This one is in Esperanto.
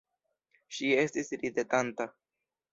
Ŝi estis ridetanta.